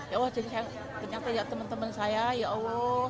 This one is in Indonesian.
ya allah jadi saya kenyataan ya teman teman saya ya allah